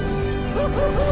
フフフフ！